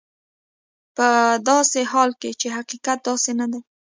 په داسې حال کې چې حقیقت داسې نه دی.